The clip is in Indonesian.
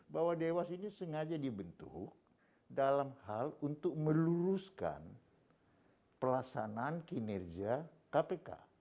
bahwa dewas ini sengaja dibentuk dalam hal untuk meluruskan pelaksanaan kinerja kpk